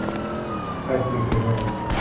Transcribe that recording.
ไทยสตีลเคเบิล